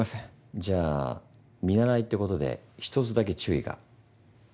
じゃあ見習いってことで１つだけ注意が。